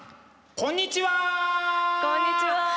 こんにちは！